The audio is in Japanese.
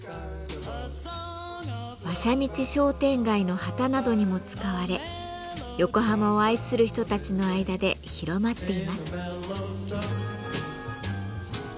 馬車道商店街の旗などにも使われ横浜を愛する人たちの間で広まっています。